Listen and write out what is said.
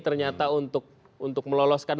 ternyata untuk meloloskan